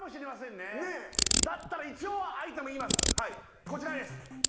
ねっだったら一応はアイテム言いますはいこちらです